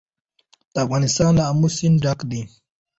افغانستان له آمو سیند ډک دی.